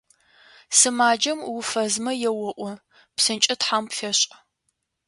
Сымаджэм уфэзмэ еоӀо: «ПсынкӀэ Тхьэм пфешӀ!».